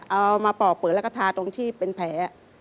เอามาปอกเปิดแล้วก็ทาตรงที่เป็นแผล